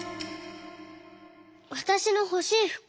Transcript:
「わたしのほしいふく。